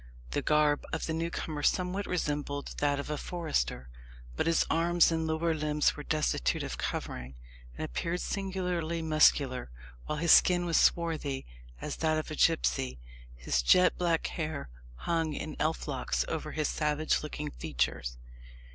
The garb of the newcomer somewhat resembled that of a forester; but his arms and lower limbs were destitute of covering, and appeared singularly muscular, while his skin was swarthy as that of a gipsy. His jet black hair hung in elf locks over his savage looking features.